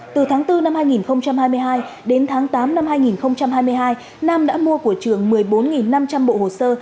từ tháng bốn năm hai nghìn hai mươi hai đến tháng tám năm hai nghìn hai mươi hai nam đã mua của trường một mươi bốn năm trăm linh bộ hồ sơ